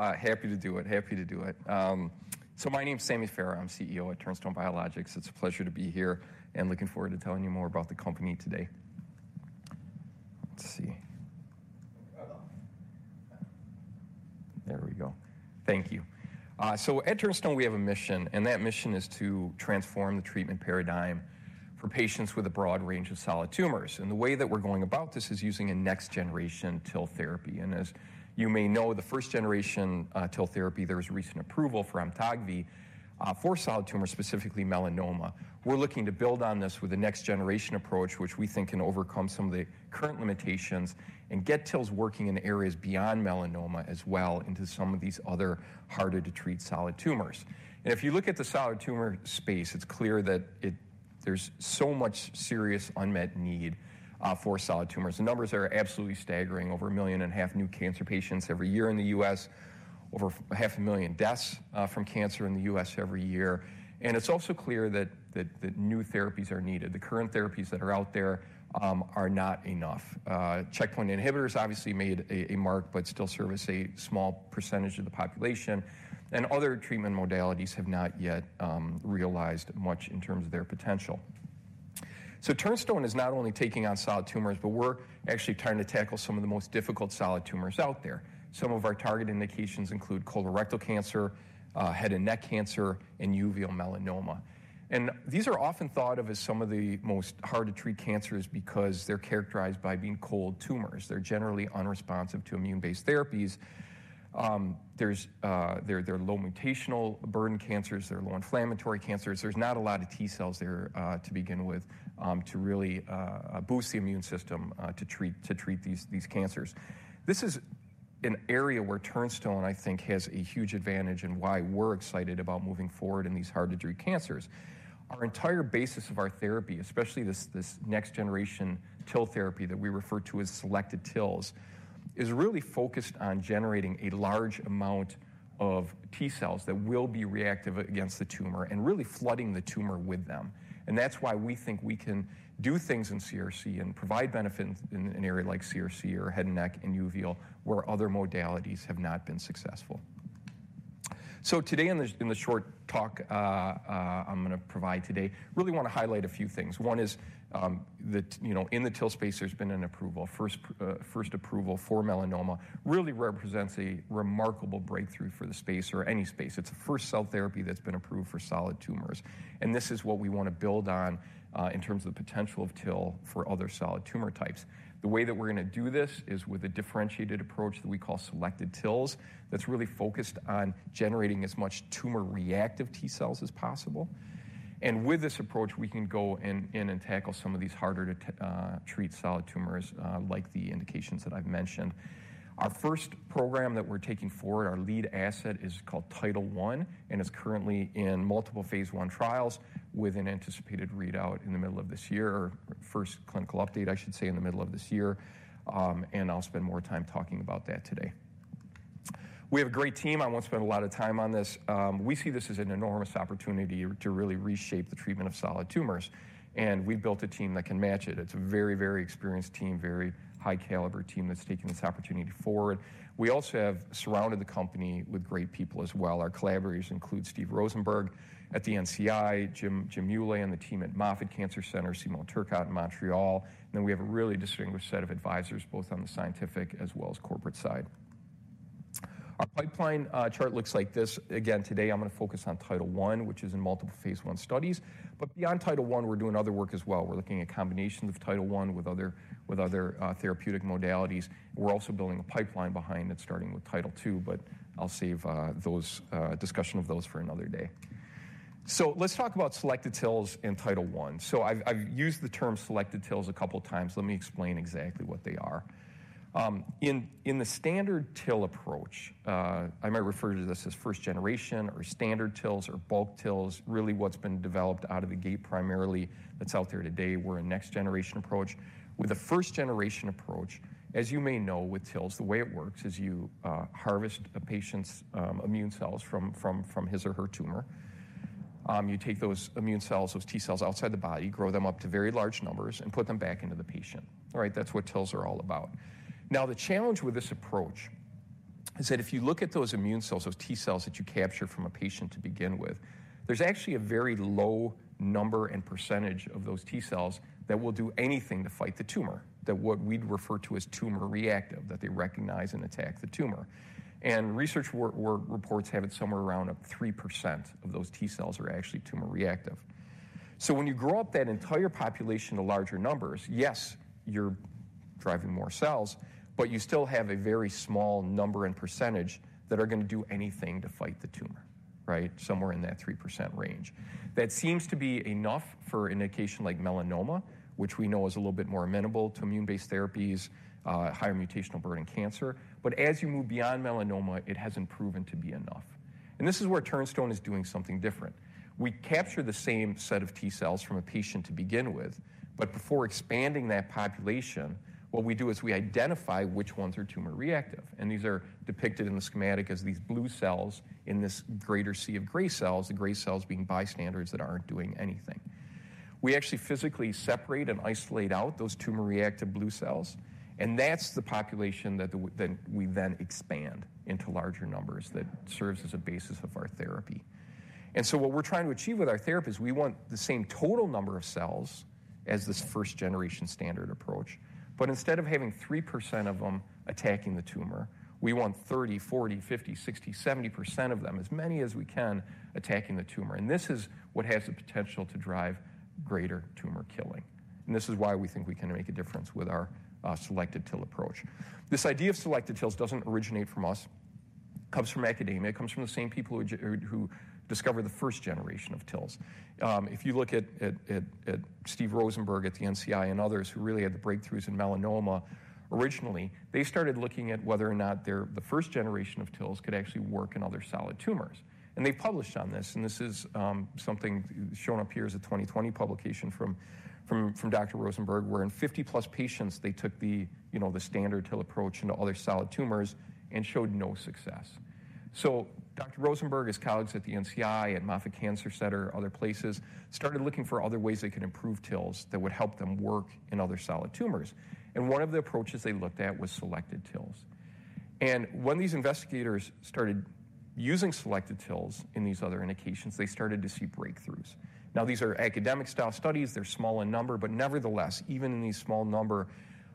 So happy to do it, happy to do it. So my name's Sammy Farah. I'm CEO at Turnstone Biologics. It's a pleasure to be here and looking forward to telling you more about the company today. Let's see. There we go. Thank you. So at Turnstone, we have a mission, and that mission is to transform the treatment paradigm for patients with a broad range of solid tumors. And the way that we're going about this is using a next-generation TIL therapy. And as you may know, the first-generation TIL therapy, there was recent approval for Amtagvi for solid tumors, specifically melanoma. We're looking to build on this with a next-generation approach, which we think can overcome some of the current limitations and get TILs working in areas beyond melanoma as well into some of these other harder-to-treat solid tumors. If you look at the solid tumor space, it's clear that there's so much serious unmet need for solid tumors. The numbers are absolutely staggering: over 1.5 million new cancer patients every year in the U.S., over 500,000 deaths from cancer in the U.S. every year. It's also clear that new therapies are needed. The current therapies that are out there are not enough. Checkpoint inhibitors obviously made a mark but still service a small percentage of the population. Other treatment modalities have not yet realized much in terms of their potential. Turnstone is not only taking on solid tumors, but we're actually trying to tackle some of the most difficult solid tumors out there. Some of our target indications include colorectal cancer, head and neck cancer, and uveal melanoma. These are often thought of as some of the most hard-to-treat cancers because they're characterized by being cold tumors. They're generally unresponsive to immune-based therapies. They're low-mutational burden cancers. They're low-inflammatory cancers. There's not a lot of T cells there to begin with to really boost the immune system to treat these cancers. This is an area where Turnstone, I think, has a huge advantage in why we're excited about moving forward in these hard-to-treat cancers. Our entire basis of our therapy, especially this next-generation TIL therapy that we refer to as selected TILs, is really focused on generating a large amount of T cells that will be reactive against the tumor and really flooding the tumor with them. And that's why we think we can do things in CRC and provide benefit in an area like CRC or head and neck and uveal where other modalities have not been successful. So today in the short talk I'm going to provide today, really want to highlight a few things. One is that in the TIL space, there's been an approval, first approval for melanoma, really represents a remarkable breakthrough for the space or any space. It's the first cell therapy that's been approved for solid tumors. And this is what we want to build on in terms of the potential of TIL for other solid tumor types. The way that we're going to do this is with a differentiated approach that we call Selected TILs that's really focused on generating as much tumor-reactive T cells as possible. And with this approach, we can go in and tackle some of these harder-to-treat solid tumors like the indications that I've mentioned. Our first program that we're taking forward, our lead asset, is called TIDAL-01 and is currently in multiple phase I trials with an anticipated readout in the middle of this year or first clinical update, I should say, in the middle of this year. And I'll spend more time talking about that today. We have a great team. I won't spend a lot of time on this. We see this as an enormous opportunity to really reshape the treatment of solid tumors. And we've built a team that can match it. It's a very, very experienced team, very high-caliber team that's taken this opportunity forward. We also have surrounded the company with great people as well. Our collaborators include Steven Rosenberg at the NCI, James Mulé in the team at Moffitt Cancer Center, Simon Turcotte in Montreal. Then we have a really distinguished set of advisors both on the scientific as well as corporate side. Our pipeline chart looks like this. Again, today I'm going to focus on TIDAL-01, which is in multiple phase I studies. Beyond TIDAL-01, we're doing other work as well. We're looking at combinations of TIDAL-01 with other therapeutic modalities. We're also building a pipeline behind it starting with TIDAL-02, but I'll save discussion of those for another day. Let's talk about selected TILs in TIDAL-01. I've used the term selected TILs a couple of times. Let me explain exactly what they are. In the standard TIL approach, I might refer to this as first generation or standard TILs or bulk TILs, really what's been developed out of the gate primarily that's out there today. We're a next-generation approach. With a first-generation approach, as you may know with TILs, the way it works is you harvest a patient's immune cells from his or her tumor. You take those immune cells, those T cells outside the body, grow them up to very large numbers, and put them back into the patient. All right, that's what TILs are all about. Now, the challenge with this approach is that if you look at those immune cells, those T cells that you capture from a patient to begin with, there's actually a very low number and percentage of those T cells that will do anything to fight the tumor, that what we'd refer to as tumor-reactive, that they recognize and attack the tumor. Research reports have it somewhere around 3% of those T cells are actually tumor-reactive. When you grow up that entire population to larger numbers, yes, you're driving more cells, but you still have a very small number and percentage that are going to do anything to fight the tumor, right, somewhere in that 3% range. That seems to be enough for an indication like melanoma, which we know is a little bit more amenable to immune-based therapies, higher mutational burden cancer. But as you move beyond melanoma, it hasn't proven to be enough. This is where Turnstone is doing something different. We capture the same set of T cells from a patient to begin with, but before expanding that population, what we do is we identify which ones are tumor-reactive. These are depicted in the schematic as these blue cells in this greater sea of gray cells, the gray cells being bystanders that aren't doing anything. We actually physically separate and isolate out those tumor-reactive blue cells, and that's the population that we then expand into larger numbers that serves as a basis of our therapy. So what we're trying to achieve with our therapy is we want the same total number of cells as this first-generation standard approach. But instead of having 3% of them attacking the tumor, we want 30, 40, 50, 60, 70% of them, as many as we can, attacking the tumor. And this is what has the potential to drive greater tumor killing. And this is why we think we can make a difference with our selected TIL approach. This idea of selected TILs doesn't originate from us. It comes from academia. It comes from the same people who discovered the first generation of TILs. If you look at Steve Rosenberg at the NCI and others who really had the breakthroughs in melanoma originally, they started looking at whether or not the first generation of TILs could actually work in other solid tumors. And they've published on this, and this is something shown up here as a 2020 publication from Dr. Rosenberg, where in 50+ patients, they took the standard TIL approach into other solid tumors and showed no success. So Dr. Rosenberg, his colleagues at the NCI, at Moffitt Cancer Center, other places, started looking for other ways they could improve TILs that would help them work in other solid tumors. And one of the approaches they looked at was selected TILs. And when these investigators started using selected TILs in these other indications, they started to see breakthroughs. Now, these are academic-style studies. They're small in number, but nevertheless, even in these small number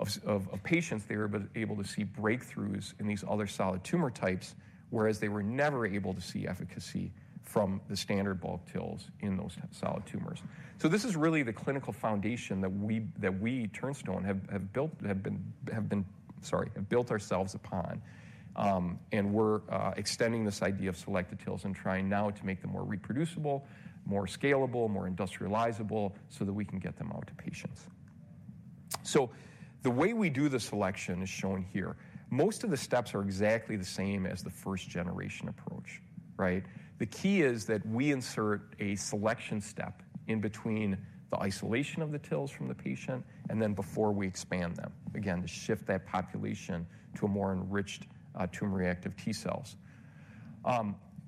of patients, they were able to see breakthroughs in these other solid tumor types, whereas they were never able to see efficacy from the standard bulk TILs in those solid tumors. So this is really the clinical foundation that we, Turnstone, have built ourselves upon. And we're extending this idea of selected TILs and trying now to make them more reproducible, more scalable, more industrializable so that we can get them out to patients. So the way we do the selection is shown here. Most of the steps are exactly the same as the first-generation approach, right? The key is that we insert a selection step in between the isolation of the TILs from the patient and then before we expand them, again, to shift that population to a more enriched tumor-reactive T cells.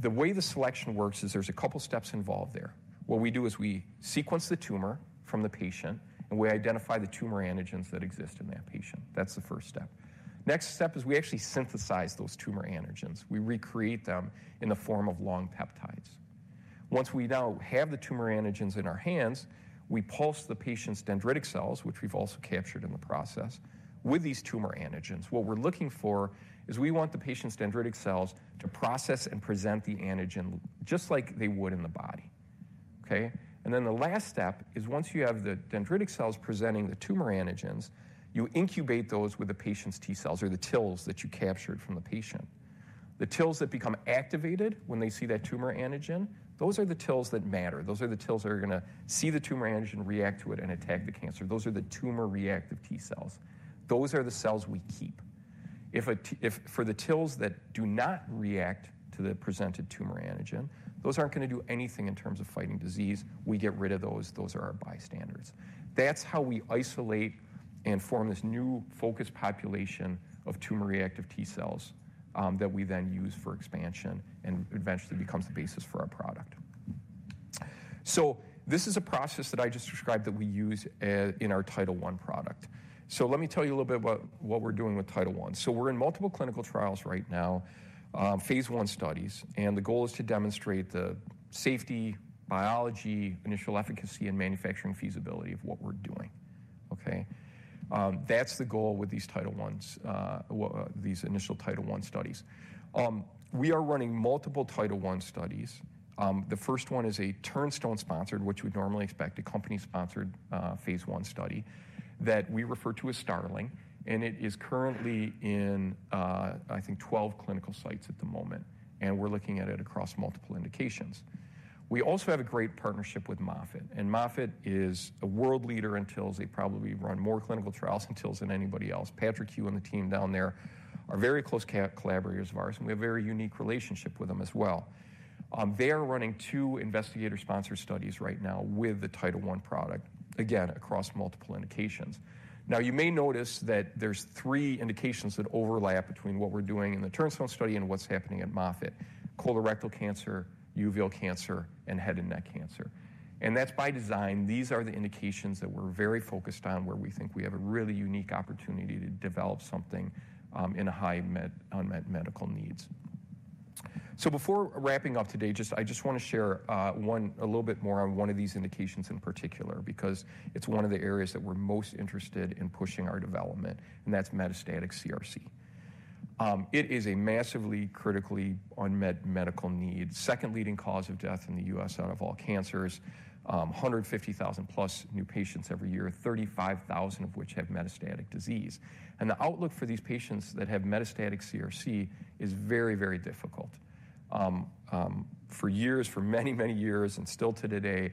The way the selection works is there's a couple of steps involved there. What we do is we sequence the tumor from the patient, and we identify the tumor antigens that exist in that patient. That's the first step. Next step is we actually synthesize those tumor antigens. We recreate them in the form of long peptides. Once we now have the tumor antigens in our hands, we pulse the patient's dendritic cells, which we've also captured in the process, with these tumor antigens. What we're looking for is we want the patient's dendritic cells to process and present the antigen just like they would in the body, okay? Then the last step is once you have the dendritic cells presenting the tumor antigens, you incubate those with the patient's T cells or the TILs that you captured from the patient. The TILs that become activated when they see that tumor antigen, those are the TILs that matter. Those are the TILs that are going to see the tumor antigen, react to it, and attack the cancer. Those are the tumor-reactive T cells. Those are the cells we keep. For the TILs that do not react to the presented tumor antigen, those aren't going to do anything in terms of fighting disease. We get rid of those. Those are our bystanders. That's how we isolate and form this new focused population of tumor-reactive T cells that we then use for expansion and eventually becomes the basis for our product. So this is a process that I just described that we use in our TIDAL-01 product. So let me tell you a little bit about what we're doing with TIDAL-01. So we're in multiple clinical trials right now, phase I studies, and the goal is to demonstrate the safety, biology, initial efficacy, and manufacturing feasibility of what we're doing, okay? That's the goal with these TIDAL-01s, these initial TIDAL-01 studies. We are running multiple TIDAL-01 studies. The first one is a Turnstone-sponsored, which we'd normally expect, a company-sponsored phase I study that we refer to as STARLING, and it is currently in, I think, 12 clinical sites at the moment. We're looking at it across multiple indications. We also have a great partnership with Moffitt. Moffitt is a world leader in TILs. They probably run more clinical trials in TILs than anybody else. Patrick Hwu and the team down there are very close collaborators of ours, and we have a very unique relationship with them as well. They are running two investigator-sponsored studies right now with the TIDAL-01 product, again, across multiple indications. Now, you may notice that there's three indications that overlap between what we're doing in the Turnstone study and what's happening at Moffitt: colorectal cancer, uveal cancer, and head and neck cancer. That's by design. These are the indications that we're very focused on, where we think we have a really unique opportunity to develop something in high unmet medical needs. So before wrapping up today, I just want to share a little bit more on one of these indications in particular because it's one of the areas that we're most interested in pushing our development, and that's metastatic CRC. It is a massively, critically unmet medical need, second leading cause of death in the U.S. out of all cancers, 150,000+ new patients every year, 35,000 of which have metastatic disease. And the outlook for these patients that have metastatic CRC is very, very difficult. For years, for many, many years, and still to today,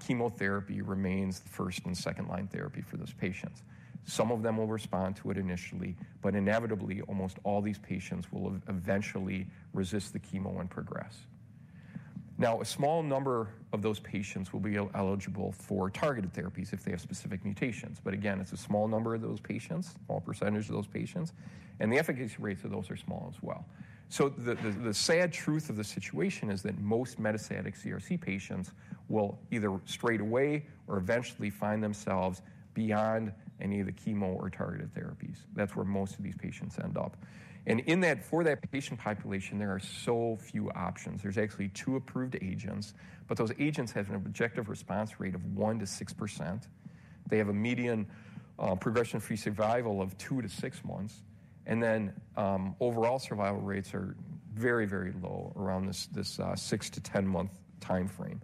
chemotherapy remains the first and second-line therapy for those patients. Some of them will respond to it initially, but inevitably, almost all these patients will eventually resist the chemo and progress. Now, a small number of those patients will be eligible for targeted therapies if they have specific mutations. But again, it's a small number of those patients, small percentage of those patients, and the efficacy rates of those are small as well. The sad truth of the situation is that most metastatic CRC patients will either straight away or eventually find themselves beyond any of the chemo or targeted therapies. That's where most of these patients end up. For that patient population, there are so few options. There's actually two approved agents, but those agents have an objective response rate of 1%-6%. They have a median progression-free survival of 2-6 months, and then overall survival rates are very, very low around this 6-10-month time frame.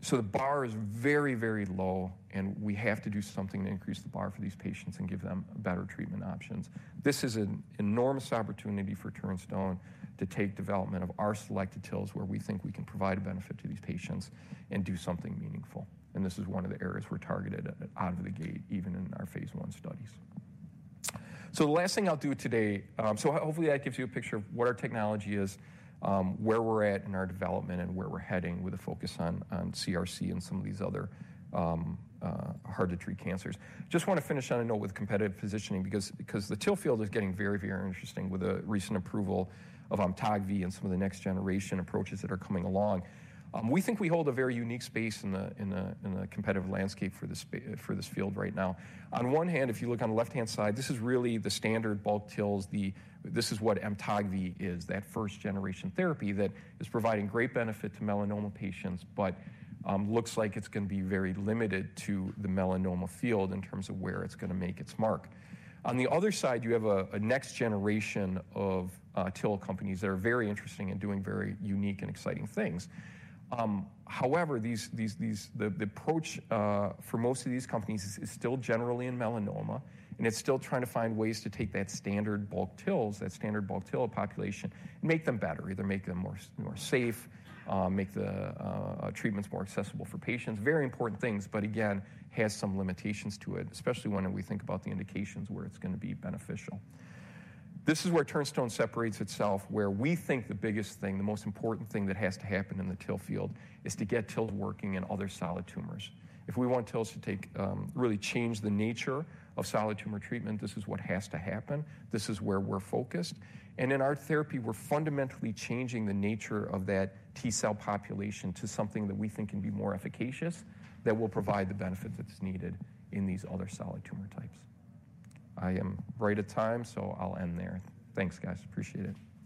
So the bar is very, very low, and we have to do something to increase the bar for these patients and give them better treatment options. This is an enormous opportunity for Turnstone to take development of our selected TILs where we think we can provide a benefit to these patients and do something meaningful. And this is one of the areas we're targeted out of the gate, even in our phase I studies. So the last thing I'll do today so hopefully that gives you a picture of what our technology is, where we're at in our development, and where we're heading with a focus on CRC and some of these other hard-to-treat cancers. Just want to finish on a note with competitive positioning because the TIL field is getting very, very interesting with a recent approval of Amtagvi and some of the next-generation approaches that are coming along. We think we hold a very unique space in the competitive landscape for this field right now. On one hand, if you look on the left-hand side, this is really the standard bulk TILs. This is what Amtagvi is, that first-generation therapy that is providing great benefit to melanoma patients but looks like it's going to be very limited to the melanoma field in terms of where it's going to make its mark. On the other side, you have a next generation of TIL companies that are very interesting and doing very unique and exciting things. However, the approach for most of these companies is still generally in melanoma, and it's still trying to find ways to take that standard bulk TILs, that standard bulk TIL population, and make them better. Either make them more safe, make the treatments more accessible for patients, very important things, but again, has some limitations to it, especially when we think about the indications where it's going to be beneficial. This is where Turnstone separates itself, where we think the biggest thing, the most important thing that has to happen in the TIL field is to get TILs working in other solid tumors. If we want TILs to really change the nature of solid tumor treatment, this is what has to happen. This is where we're focused. In our therapy, we're fundamentally changing the nature of that T cell population to something that we think can be more efficacious that will provide the benefits that's needed in these other solid tumor types. I am right at time, so I'll end there. Thanks, guys. Appreciate it.